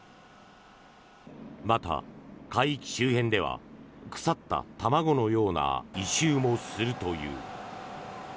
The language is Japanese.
また、海域周辺では腐った卵のような異臭もするという。